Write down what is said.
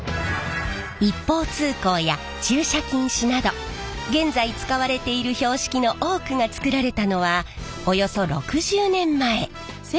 「一方通行」や「駐車禁止」など現在使われている標識の多くが作られたのはおよそ６０年前。